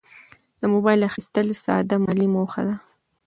د موبایل اخیستل ساده مالي موخه ده.